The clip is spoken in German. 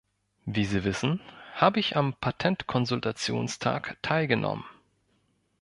Wie Sie wissen, habe ich am Patentkonsultationstag teilgenommen.